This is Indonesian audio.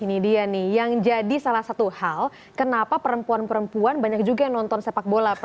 ini dia nih yang jadi salah satu hal kenapa perempuan perempuan banyak juga yang nonton sepak bola